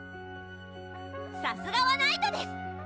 さすがはナイトです！